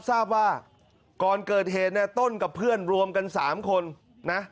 ทราบว่าก่อนเกิดเหตุเนี่ยต้นกับเพื่อนรวมกัน๓คนนะ